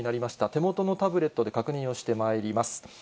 手元のタブレットで確認をしてまいります。